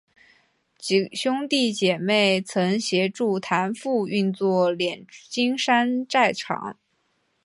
几兄弟姊妹曾协助谭父运作冶金山寨厂。